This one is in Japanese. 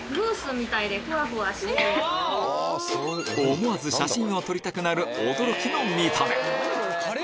思わず写真を撮りたくなる驚きの見た目